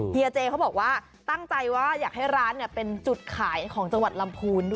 เฮียเจเขาบอกว่าตั้งใจว่าอยากให้ร้านเป็นจุดขายของจังหวัดลำพูนด้วย